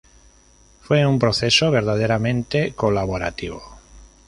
Fue un proceso verdaderamente colaborativo.